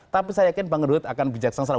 tapi saya yakin bang rud akan bijaksana